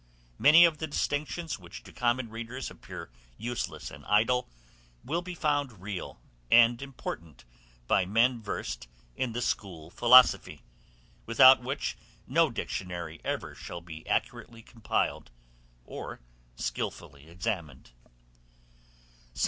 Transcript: Many of the distinctions which to common readers appear useless and idle, will be found real and important by men versed in the school philosophy, without which no dictionary can ever be accurately compiled, or skillfully examined.